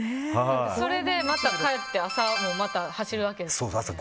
それでまた帰って、朝もまた走るわけですよね。